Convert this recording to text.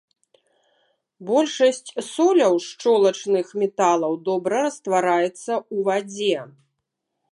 Большасць соляў шчолачных металаў добра раствараецца ў вадзе.